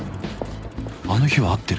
あの日は会ってる